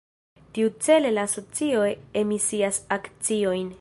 Tiucele la asocio emisias akciojn.